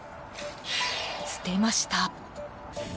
捨てました。